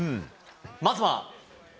まずは。